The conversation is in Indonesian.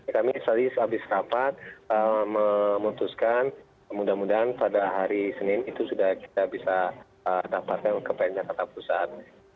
kami tadi habis rapat memutuskan mudah mudahan pada hari senin itu sudah kita bisa dapatkan kepenjahatan perusahaan